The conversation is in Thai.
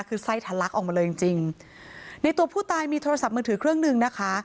คือไส้ทะลักออกมาเลยจริงจริงในตัวผู้ตายมีโทรศัพท์มือถือเครื่องหนึ่งนะคะ